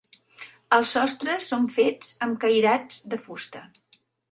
Els sostres són fets amb cairats de fusta.